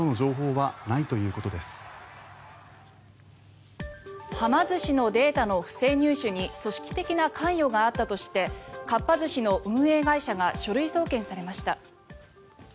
はま寿司のデータの不正入手に組織的な関与があったとしてかっぱ寿司の運営会社が書類送検されました。